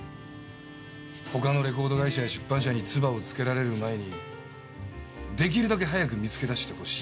他のレコード会社や出版社につばをつけられる前に出来るだけ早く見つけ出してほしい。